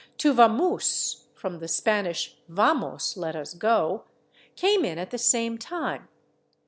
/To vamose/ (from the Spanish /vamos/, let us go), came in at the same time.